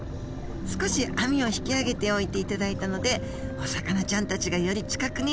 少し網を引き上げておいていただいたのでお魚ちゃんたちがより近くに見えるはずです